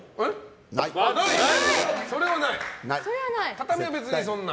畳は別にそんな？